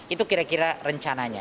itu kira kira rencananya